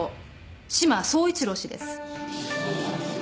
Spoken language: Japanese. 志摩総一郎氏です。